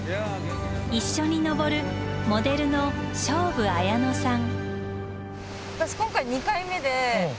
一緒に登るモデルの菖蒲理乃さん。